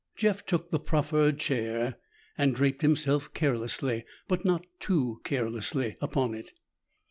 Jeff took the proffered chair and draped himself carelessly, but not too carelessly, upon it.